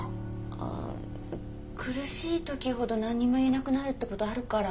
ああ苦しい時ほど何にも言えなくなるってことあるから。